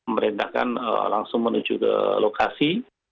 merendahkan langsung menuju ke lokasi